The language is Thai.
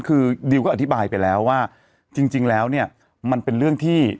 คือดิวก็อธิบายไปแล้วว่าจริงแล้วเนี่ยมันเป็นเรื่องที่